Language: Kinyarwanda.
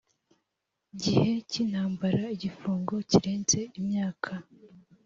gihe cy’intambara igifungo kirenze imyaka